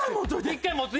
１回持つ？